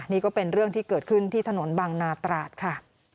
นี่ก็เป็นเรื่องที่เกิดขึ้นที่ถนนบางนาตราดค่ะ